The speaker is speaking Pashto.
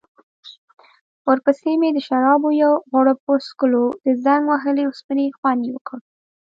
ورپسې مې د شرابو یو غوړپ وڅکلو، د زنګ وهلې اوسپنې خوند يې وکړ.